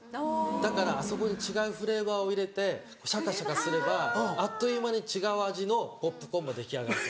だからあそこに違うフレーバーを入れてシャカシャカすればあっという間に違う味のポップコーンも出来上がる。